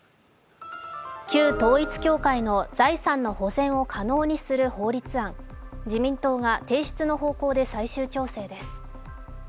旧統一教会の財産の保全を可能にする法律案、自民党が提出の方向で最終調整です。